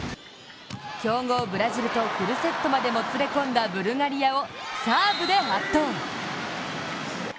強豪ブラジルとフルセットまでもつれ込んだブルガリアをサーブで圧倒。